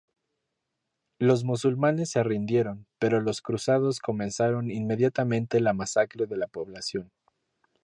Los musulmanes se rindieron, pero los cruzados comenzaron inmediatamente la masacre de la población.